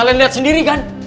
kalian lihat sendiri kan